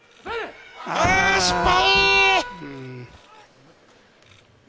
あー、失敗。